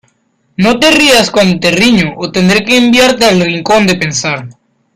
No te rías cuando te riño o tendré que enviarte al rincón de pensar.